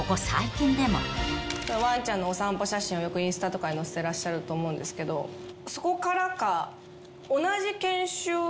ワンちゃんのお散歩写真をよくインスタとかに載せてらっしゃると思うんですけどそこからか。